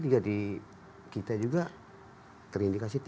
jadi kita juga terindikasi tiga